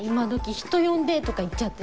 「人呼んで」とか言っちゃってさ。